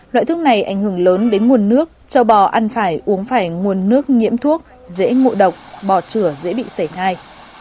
loại thuốc này ảnh hưởng lớn đến nguồn nước cho bò ăn phải uống phải nguồn nước nhiễm thuốc dễ ngụ độc bò chữa dễ bị xảy ngai